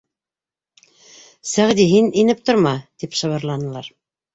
— Сәғди, һин инеп торма, — тип шыбырланылар.